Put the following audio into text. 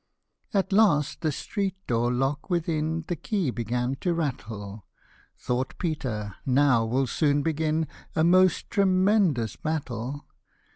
At last the street door lock within The key began to rattle ; Thought Peter, " now will soon begin A most tremendous battle."